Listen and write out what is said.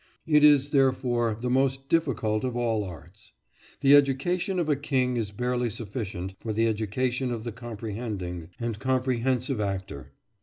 It is, therefore, the most difficult of all arts. The education of a king is barely sufficient for the education of the comprehending and comprehensive actor.